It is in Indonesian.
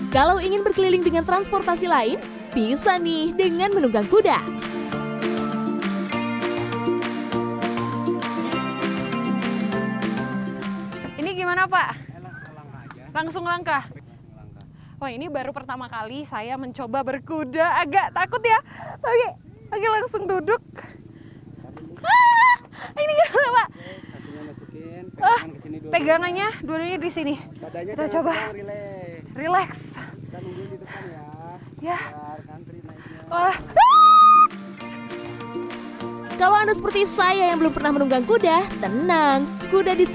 kalau ingin berkeliling dengan transportasi lain bisa nih dengan menunggang kuda